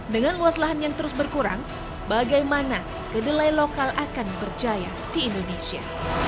dengan luas lahan yang terus berkurang bagaimana kedelai lokal akan berjaya di indonesia